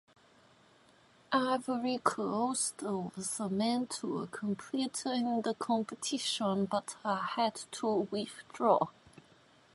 Ivory Coast was meant to compete in the competition but had to withdraw.